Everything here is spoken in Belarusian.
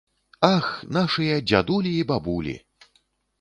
Ах, нашыя дзядулі і бабулі!